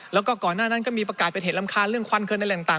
แล้วก็ก่อนหน้านั้นก็มีประกาศเป็นเหตุรำคาญเรื่องควันเกินอะไรต่าง